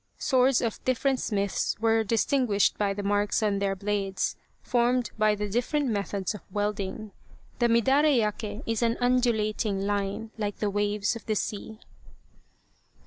* Swords of different smiths were distinguished by the marks on their blades, formed by the different methods of welding. The midare yaka is an undulating line like the waves of the sea.